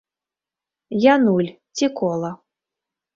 Я нуль, ці кола.